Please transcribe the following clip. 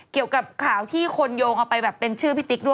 เกี่ยวกับข่าวที่คนโยงเอาไปแบบเป็นชื่อพี่ติ๊กด้วย